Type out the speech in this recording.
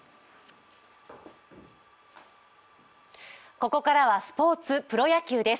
ここからはスポーツ、プロ野球です。